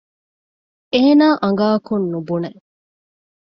އޭނާ އަނގައަކުން ނުބުނެ